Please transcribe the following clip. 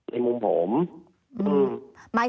ในมุมผม